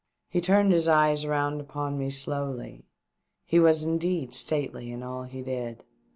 He turned his eyes round upon me slowly. He was indeed stately in all he did.